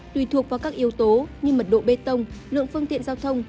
tùy thuộc vào các yếu tố như mật độ bê tông lượng phương tiện giao thông